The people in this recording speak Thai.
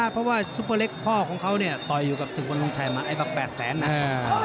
เพราะว่าซุปเปอร์เล็กพ่อของเขาเนี่ยต่อยอยู่กับศึกวันทรงชัยมาไอ้แบบ๘แสนนะ